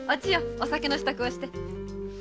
お酒の支度して。